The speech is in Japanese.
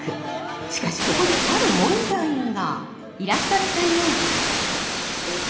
しかしここである問題が。